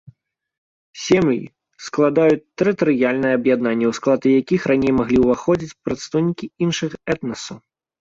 Сем'і складаюць тэрытарыяльныя аб'яднанні, у склад якіх раней маглі ўваходзіць прадстаўнікі іншых этнасаў.